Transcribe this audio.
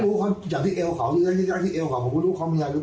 รู้เขาจากที่เอวเขาหรือที่เอวเขาผมก็รู้เขามีอะไรหรือ